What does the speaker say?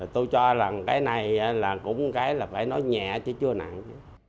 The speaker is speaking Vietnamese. tôi cho rằng cái này là cũng cái là phải nói nhẹ chứ chưa nặng